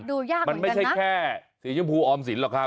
ดูยากเหมือนกันนะมันไม่ใช่แค่สีเย็นพูออมสินหรอกครับ